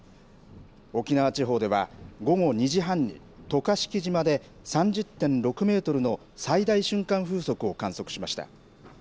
沖縄地方では午後２時半に渡嘉敷島で３０．６メートルの最大瞬間風速を観測しました。